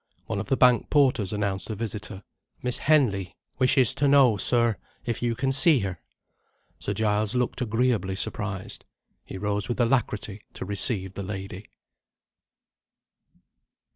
One of the bank porters announced a visitor. "Miss Henley wishes to know, sir, if you can see her." Sir Giles looked agreeably surprised. He rose with alacrity to receive the lady.